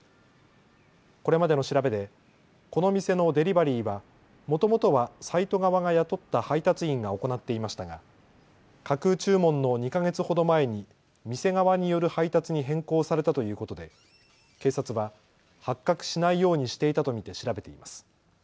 これまでの調べでこの店のデリバリーはもともとはサイト側が雇った配達員が行っていましたが架空注文の２か月ほど前に店側による配達に変更されたということで警察は発覚しないようにしていたと見て調べています。